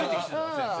先生。